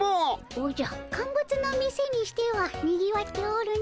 おじゃカンブツの店にしてはにぎわっておるの。